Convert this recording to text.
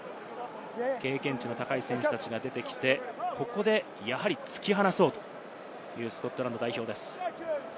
経験値の高い選手たちが出てきて、ここでやはり突き放そうという、スコットランド代表です。